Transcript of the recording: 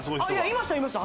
いましたいました。